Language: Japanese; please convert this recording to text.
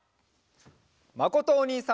まことおにいさんも！